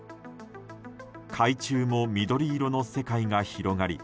海中も緑色の世界が広がり